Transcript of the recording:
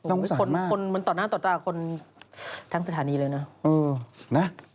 คนมันต่อหน้าต่อตาคนทั้งสถานีเลยนะ